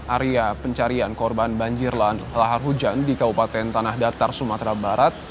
area pencarian korban banjir lahar hujan di kabupaten tanah datar sumatera barat